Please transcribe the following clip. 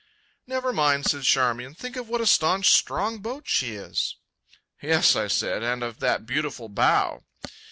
"Never mind," said Charmian, "think of what a staunch, strong boat she is." "Yes," said I, "and of that beautiful bow."